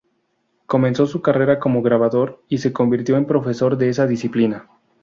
Comenzó su carrera como grabador y se convirtió en profesor de esa disciplina.